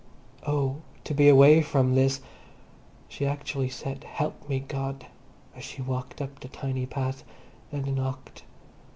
Oh, to be away from this! She actually said, "Help me, God," as she walked up the tiny path and knocked.